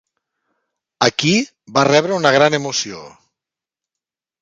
Aquí va rebre una gran emoció.